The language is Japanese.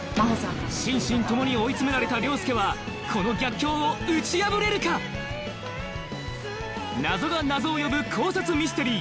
心身ともに追い詰められた凌介はこの謎が謎を呼ぶ考察ミステリー